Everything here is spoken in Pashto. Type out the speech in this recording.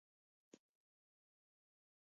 د کار ویش څنګه کیږي؟